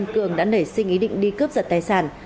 cường đã nảy sinh ý định đi cướp giật tài sản